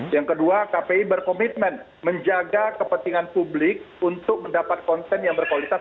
yang kedua kpi berkomitmen menjaga kepentingan publik untuk mendapat konten yang berkualitas